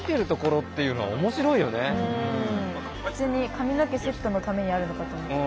普通に髪の毛セットのためにあるのかと思ってた。